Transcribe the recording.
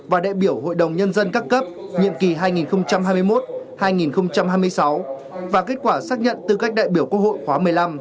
và đại biểu hội đồng nhân dân các cấp nhiệm kỳ hai nghìn hai mươi một hai nghìn hai mươi sáu và kết quả xác nhận tư cách đại biểu quốc hội khóa một mươi năm